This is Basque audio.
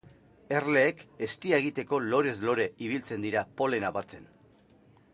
Erleek eztia egiteko lorez lore ibiltzen dira polena batzen.